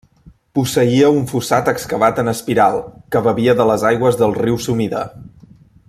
Posseïa un fossat excavat en espiral que bevia de les aigües del riu Sumida.